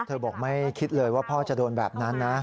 บอกไม่คิดเลยว่าพ่อจะโดนแบบนั้นนะ